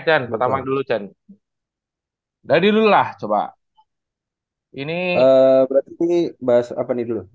oke dan pertama dulu dan dari dulu lah coba ini berarti bahas apa nih dulu